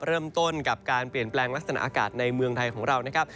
เริ่มต้นกับการเปลี่ยนแปลงลักษณะอากาศในเมืองไทยของเรานะครับ